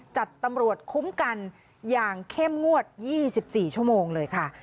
จัดตำรวจคุ้มกันอย่างเข้มงวด๒๔ชั่วโมงเลยค่ะ